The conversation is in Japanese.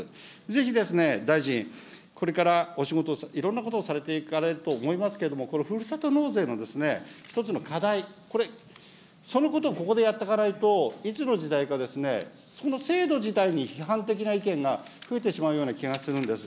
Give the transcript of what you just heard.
ぜひ大臣、これからお仕事、いろんなことをされていかれると思いますけれども、これ、ふるさと納税の１つの課題、これ、そのことをここでやっておかないと、いつの時代か、その制度自体に、批判的な意見が増えてしまうような気がするんです。